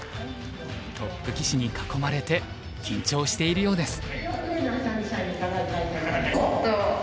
トップ棋士に囲まれて緊張しているようです。